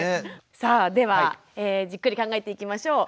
さあではじっくり考えていきましょう。